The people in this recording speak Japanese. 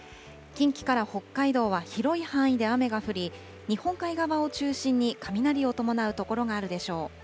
近畿から北海道は広い範囲で雨が降り、日本海側を中心に雷を伴う所があるでしょう。